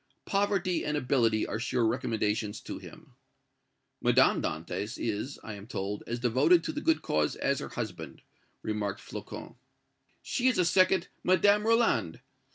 Poverty and ability are sure recommendations to him." "Madame Dantès is, I am told, as devoted to the good cause as her husband," remarked Flocon. "She is a second Madame Roland!"